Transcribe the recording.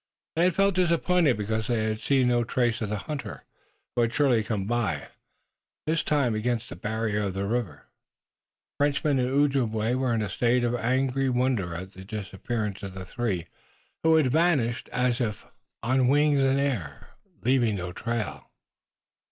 They had felt disappointed because they had seen no trace of the hunted, who had surely come by this time against the barrier of the river. Frenchman and Ojibway were in a state of angry wonder at the disappearance of the three who had vanished as if on wings in the air, leaving no trail.